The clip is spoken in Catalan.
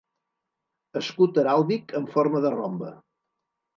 Escut heràldic en forma de rombe.